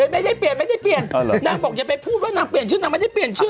ไม่ได้เปลี่ยนไม่ได้เปลี่ยนนางบอกอย่าไปพูดว่านางเปลี่ยนชื่อนางไม่ได้เปลี่ยนชื่อ